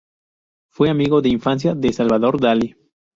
Fue amigo de infancia de Salvador Dalí.